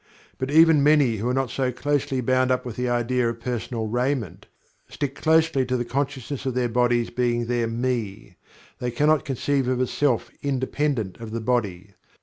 But even many who are not so closely bound up with the idea of personal raiment stick closely to the consciousness of their bodies being their "Me" They cannot conceive of a Self independent of the body.